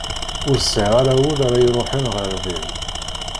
Ur sεiɣ ara ul ara iruḥen ɣer din.